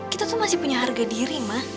kita tuh masih punya harga diri mbak